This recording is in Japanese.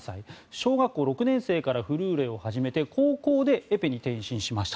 小学校６年生からフルーレを始めて高校でエペに転身しました。